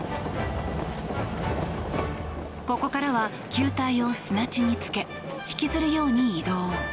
ここからは球体を砂地につけ引きずるように移動。